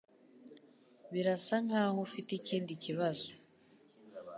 Birasa nkaho ufite ikindi kibazo